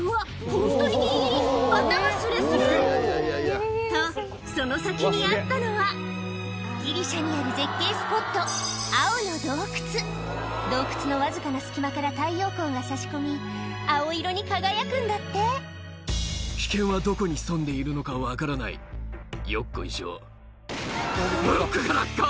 ホントにギリギリ頭すれすれとその先にあったのはギリシャにある絶景スポット洞窟のわずかな隙間から太陽光が差し込み青色に輝くんだって危険はどこに潜んでいるのか分からない「よっこいしょ」ブロックが落下！